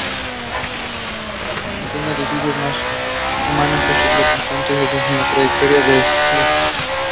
The best episodes of the show are often funny and thrilling all at once.